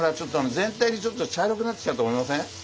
全体にちょっと茶色くなってきたと思いません？